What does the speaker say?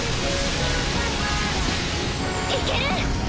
いける！